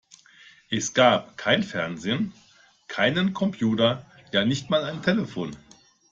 Es gab kein Fernsehen, keinen Computer, ja, nicht mal ein Telefon!